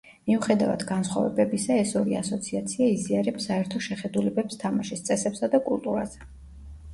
მიუხედავად განსხვავებებისა, ეს ორი ასოციაცია იზიარებს საერთო შეხედულებებს თამაშის წესებსა და კულტურაზე.